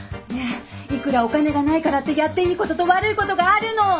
ねえいくらお金がないからってやっていいことと悪いことがあるの！